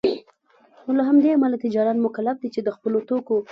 نوله همدې امله تجاران مکلف دی چي دخپلو توکو